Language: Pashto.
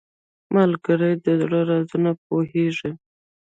ملګری د زړه رازونه پوهیږي